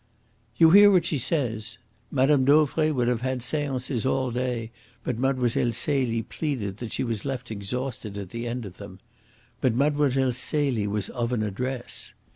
"You hear what she says. 'Mme. Dauvray would have had seances all day, but Mlle. Celie pleaded that she was left exhausted at the end of them. But Mlle. Celie was of an address.'